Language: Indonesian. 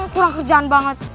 kurang kerjaan banget